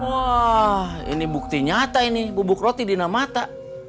wah ini bukti nyata ini bubuk roti dinamata